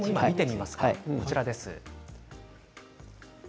こちらです。